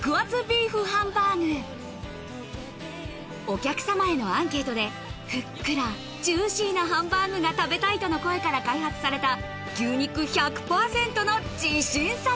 ビーフハンバーグお客さまへのアンケートでふっくらジューシーなハンバーグが食べたいとの声から開発された牛肉１００％の自信作